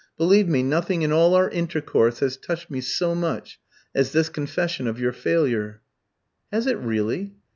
Believe me, nothing in all our intercourse has touched me so much as this confession of your failure." "Has it really?